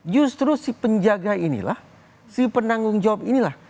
justru si penjaga inilah si penanggung jawab inilah